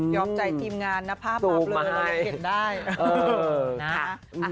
ยอมใจทีมงานนะภาพมาเบลอได้เห็นได้